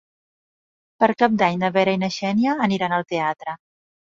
Per Cap d'Any na Vera i na Xènia aniran al teatre.